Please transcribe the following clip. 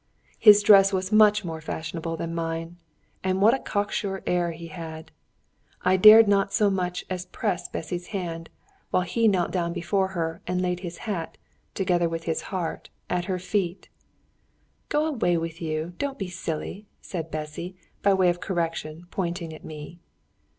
His dress was much more fashionable than mine. And what a cocksure air he had! I dared not so much as press Bessy's hand, while he knelt down before her and laid his hat together with his heart at her feet. "Go away with you don't be silly!" said Bessy, by way of correction, pointing at me.